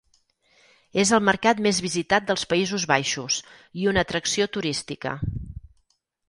És el mercat més visitat dels Països Baixos i una atracció turística.